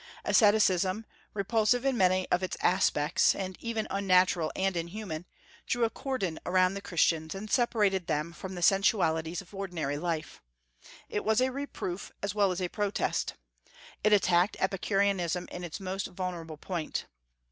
Asceticism, repulsive in many of its aspects, and even unnatural and inhuman, drew a cordon around the Christians, and separated them from the sensualities of ordinary life. It was a reproof as well as a protest. It attacked Epicureanism in its most vulnerable point.